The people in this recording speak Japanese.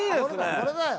これだよ！